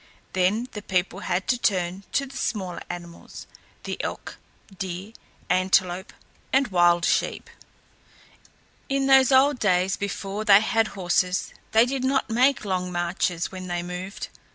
Then the people had to turn to the smaller animals the elk, deer, antelope, and wild sheep. In those old days, before they had horses, they did not make long marches when they moved.